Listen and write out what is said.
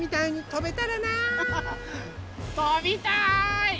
とびたい！